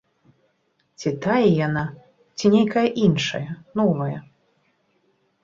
Ці тая яна, ці нейкая іншая, новая.